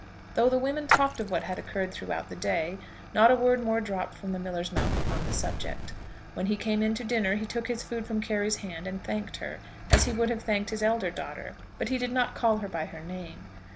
Though the women talked of what had occurred throughout the day, not a word more dropped from the miller's mouth upon the subject. When he came in to dinner he took his food from Carry's hand and thanked her, as he would have thanked his elder daughter, but he did not call her by her name.